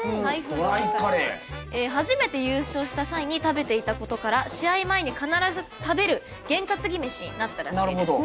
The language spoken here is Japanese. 初めて優勝した際に食べていたことから試合前に必ず食べる験担ぎめしになったらしいです。